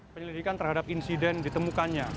penyelidikan terhadap insiden ditemukannya